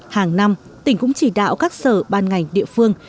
hàng năm tỉnh cũng chỉ đạo các sở ban ngành địa phương